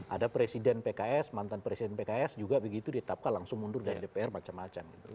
ada presiden pks mantan presiden pks juga begitu ditetapkan langsung mundur dari dpr macam macam gitu